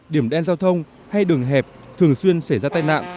điểm đen giao thông hay đường hẹp thường xuyên xảy ra tai nạn